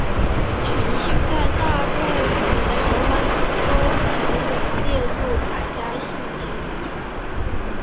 全姓在大陆和台湾都没有列入百家姓前一百位。